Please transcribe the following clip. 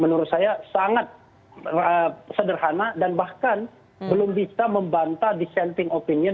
menurut saya sangat sederhana dan bahkan belum bisa membantah dissenting opinion